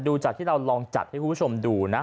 ดูจากที่เราลองจัดให้คุณผู้ชมดูนะ